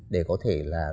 để có thể là